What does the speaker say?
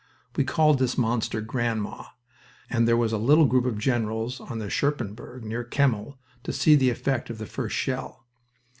We called this monster "grandma," and there was a little group of generals on the Scherpenberg, near Kemmel, to see the effect of the first shell.